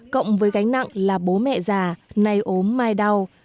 cộng với gánh nặng là bố mẹ già nay ốm mai đau